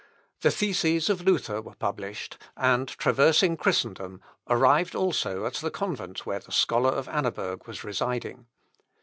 The theses of Luther were published, and, traversing Christendom, arrived also at the convent where the scholar of Annaberg was residing.